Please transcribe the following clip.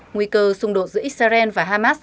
nguy cơ xung đột giữa israel và hamas